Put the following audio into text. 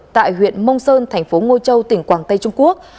tại huyện mông sơn thành phố ngô châu tỉnh quảng tây trung quốc